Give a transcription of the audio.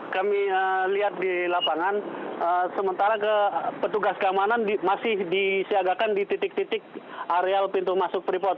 kami lihat di lapangan sementara petugas keamanan masih disiagakan di titik titik areal pintu masuk freeport